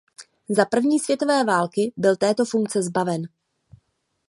Za první světové války byl této funkce zbaven.